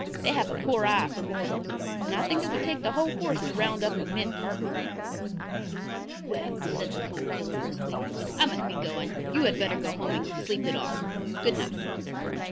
They have a poor eye for mortals, and I think it would take the whole force to round up a myth murderer." "Well," said the Fool Killer, briskly, "I must be going. You had better go home and sleep it off. Good night."